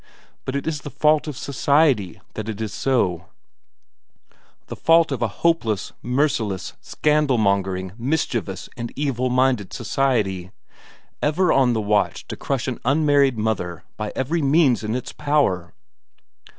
But it is the fault of society that it is so; the fault of a hopeless, merciless, scandalmongering, mischievous, and evil minded society, ever on the watch to crush an unmarried mother by every means in its power!